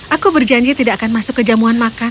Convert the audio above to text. aku berjanji tidak akan masuk ke jamuan makan